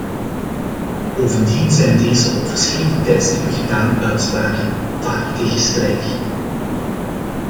Bovendien zijn deze op verschillende tijdstippen gedane uitspraken vaak tegenstrijdig.